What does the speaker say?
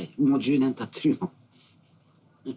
もう１０年たってるよ。